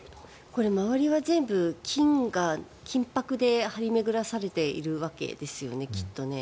これ、周りは全部金箔で張り巡らされているわけですよねきっとね。